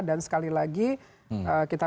dan sekali lagi kita